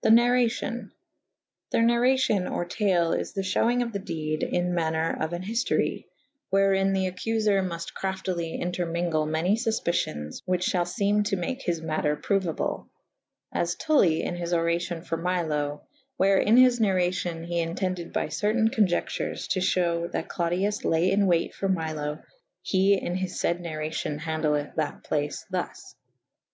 The narracion. The narracio« or tale is the fhewynge of the dede in maner of an hiftorye / wherin the accufer mufte craftly entermewgle many fufpicyons which fhall feme to make his mater prouable. As'TuUi in his oracion for Milo / where in his narracyon he intendeth by certayne coniectures to fhewe that Clodius laye in wayte for Milo / he in his fayde narracyon handelethe that place thus. ^So'&.\ A.